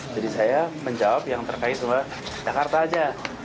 jadi saya menjawab yang terkait dengan jakarta aja